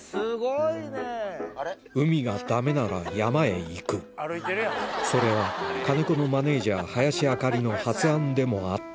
海が駄目なら山へ行くそれは金子のマネジャー林あかりの発案でもあった